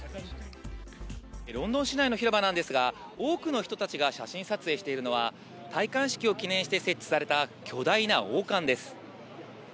ロンドン市内の広場なんですが、多くの人たちが写真撮影しているのは、戴冠式を記念して設置された巨大な王冠です。